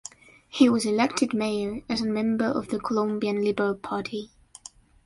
He was elected mayor as a member of the Colombian Liberal Party.